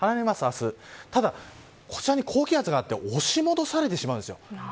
ただ、こちらに高気圧があって押し戻されてしまうんです。